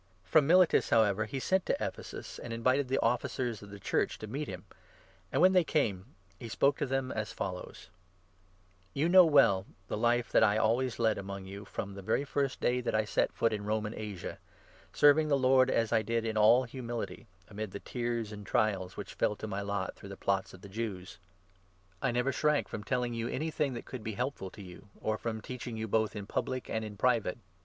From Miletus, however, he sent to Ephesus and invited the 17 Officers of the Church to meet him ; and, when they came, he tS spoke to them as follows : "You know well the life that I always led among you from the very first day that I set foot in Roman Asia, serving the 19 Lord, as I did, in all humility, amid the tears and trials which fell to my lot through the plots of the Jews. I never shrank 20 from telling you anything that could be helpful to you, or from 254 THE ACTS, 2O 21. teaching you both in public and in private.